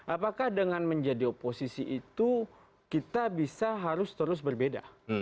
apakah dengan menjadi oposisi itu kita bisa harus terus berbeda